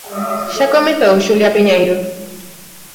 Xa comezou, Xulia Piñeiro?